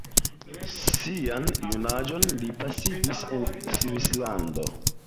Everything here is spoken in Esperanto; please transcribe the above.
Sian junaĝon li pasigis en Svislando.